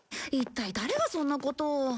一体誰がそんなことを。